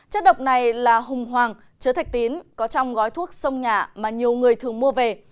chất độc này là hùng hoàng chứa thạch tín có trong gói thuốc sông nhà mà nhiều người thường mua về